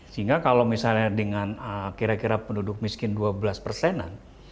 sehingga kalau misalnya dengan kira kira penduduk miskin dua belas persenan